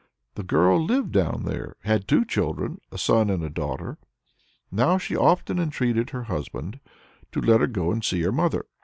The girl lived down there, and had two children, a son and a daughter. Now she often entreated her husband to let her go to see her mother.